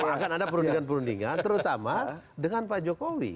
akan ada perundingan perundingan terutama dengan pak jokowi